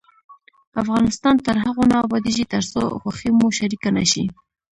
افغانستان تر هغو نه ابادیږي، ترڅو خوښي مو شریکه نشي.